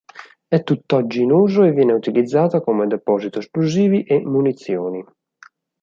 È tutt'oggi in uso e viene utilizzata come Deposito esplosivi e munizioni.